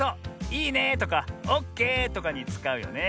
「いいね」とか「オッケー」とかにつかうよね。